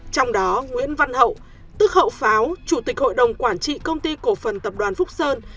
trong đó nguyễn văn hậu tức hậu pháo chủ tịch hội đồng quản trị công ty cổ phần tập đoàn phúc sơn